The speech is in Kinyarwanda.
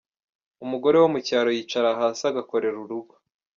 Umugore wo mu cyaro yicara hasi agakorera urugo.